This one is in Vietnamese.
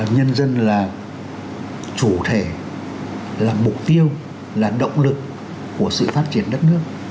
nhân dân là chủ thể là mục tiêu là động lực của sự phát triển đất nước